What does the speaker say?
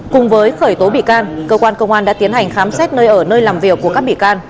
cùng với khởi tố bị can cơ quan công an đã tiến hành khám xét nơi ở nơi làm việc của các bị can